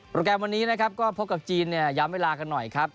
แกรมวันนี้นะครับก็พบกับจีนเนี่ยย้ำเวลากันหน่อยครับ